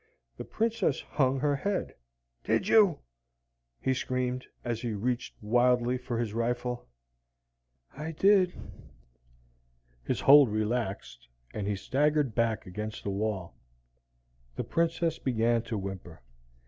The Princess hung her head. "Did you?" he screamed, as he reached wildly for his rifle. "I did?" His hold relaxed, and he staggered back against the wall. The Princess began to whimper.